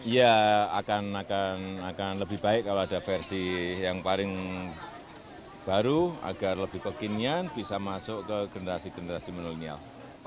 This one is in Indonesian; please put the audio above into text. ya akan lebih baik kalau ada versi yang paling baru agar lebih kekinian bisa masuk ke generasi generasi milenial